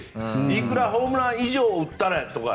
いくらホームラン以上を打ったらとか。